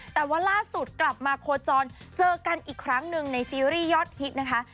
แต่ว่าล่าสุดกลับมาโคจรเจอกันอีกครั้งหนึ่งในซีรีส์ยอดฮิตนะคะ